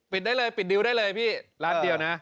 ได้เลยปิดดิวได้เลยพี่ร้านเดียวนะ